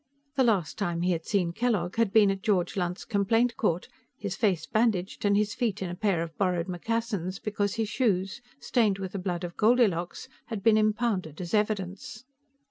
The last time he had seen Kellogg had been at George Lunt's complaint court, his face bandaged and his feet in a pair of borrowed moccasins because his shoes, stained with the blood of Goldilocks, had been impounded as evidence.